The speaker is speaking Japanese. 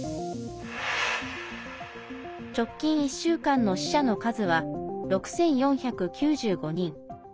直近１週間の死者の数は６４９５人。